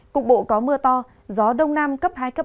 cục bộ có mưa to gió đông nam cấp hai cấp năm